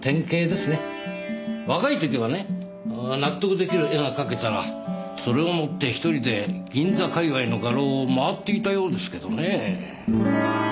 若いときはね納得できる絵が描けたらそれを持って一人で銀座界隈の画廊を回っていたようですけどね。